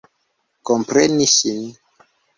Kompreni ŝin.